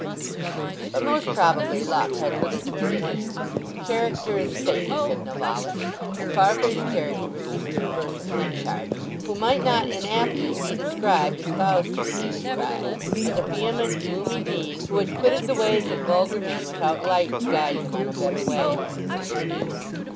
But most probably luck had little to do with it. Character is Fate, said Novalis, and Farfrae's character was just the reverse of Henchard's, who might not inaptly be described as Faust has been described—as a vehement gloomy being who had quitted the ways of vulgar men without light to guide him on a better way.